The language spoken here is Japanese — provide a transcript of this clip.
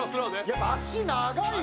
やっぱ足長いわ。